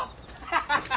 ハハハ！